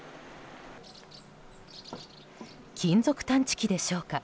金属探知機でしょうか？